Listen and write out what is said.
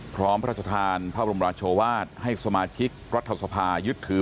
พระราชทานพระบรมราชวาสให้สมาชิกรัฐสภายึดถือ